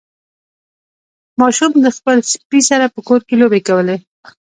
ماشوم د خپل سپي سره په کور کې لوبې کولې.